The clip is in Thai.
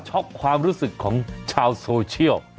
ความรู้สึกของชาวโซเชียล